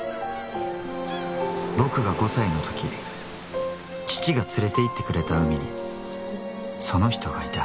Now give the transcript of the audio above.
ボクが５歳の時父が連れていってくれた海にそのひとがいた。